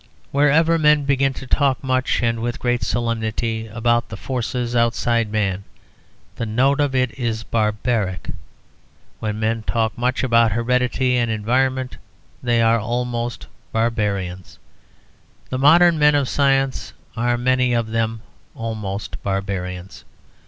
Wherever men begin to talk much and with great solemnity about the forces outside man, the note of it is barbaric. When men talk much about heredity and environment they are almost barbarians. The modern men of science are many of them almost barbarians.